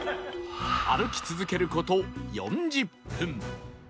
歩き続ける事４０分